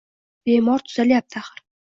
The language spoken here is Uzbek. Bemor tuzalyapti axir